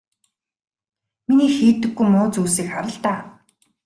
Миний хийдэггүй муу зүйлсийг хар л даа.